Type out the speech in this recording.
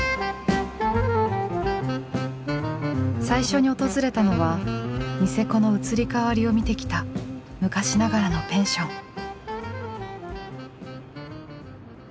最初に訪れたのはニセコの移り変わりを見てきた昔ながらのペンション。